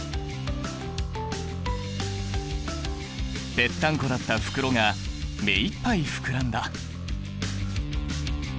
ペッタンコだった袋が目いっぱい膨らんだ！